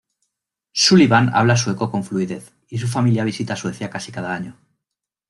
Sullivan habla sueco con fluidez y su familia visita Suecia casi cada año.